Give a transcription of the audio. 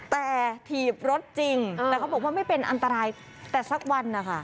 แต่ถีบรถจริงแต่เขาบอกว่าไม่เป็นอันตรายแต่สักวันนะคะ